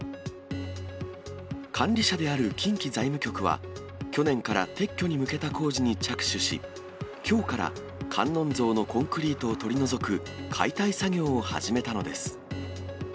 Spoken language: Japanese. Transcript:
管理者である近畿財務局は、去年から撤去に向けた工事に着手し、きょうから観音像のコンクリートを取り除く、解体作業を始めたのです。